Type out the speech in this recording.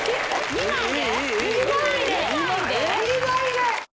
２枚で？